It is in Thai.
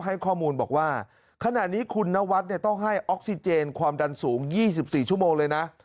ให้ข้อมูลบอกว่าขณะนี้คุณนวัดต้องให้ออกซิเจนความดันสูง๒๔ชั่วโมงเลยนะ